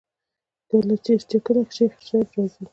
چې کله به شيخ صاحب راځي.